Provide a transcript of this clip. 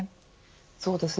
そうですね。